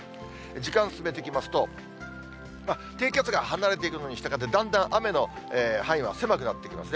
時間進めていきますと、低気圧が離れていくのにしたがって、だんだん雨の範囲は狭くなってきますね。